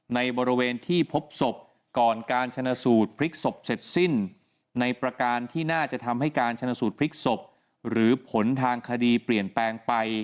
ในบริเวณที่พบศพก่อนการชนะสูตรพลิกศพเสร็จสิ้นในประการที่น่าจะทำให้การชนสูตรพลิกศพหรือผลทางคดีเปลี่ยนแปลงไป